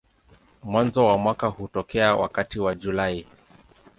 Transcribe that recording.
Mwanzo wa mwaka hutokea wakati wa Julai.